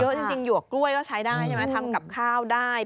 เยอะจริงหยวกกล้วยก็ใช้ได้ใช่ไหมทำกับข้าวได้